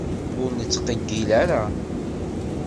Ur nettqeggil ara.